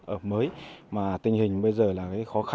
ở mới mà tình hình bây giờ là cái khó khăn